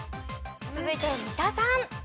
続いて三田さん。